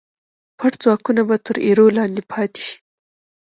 پټ ځواکونه به تر ایرو لاندې پاتې شي.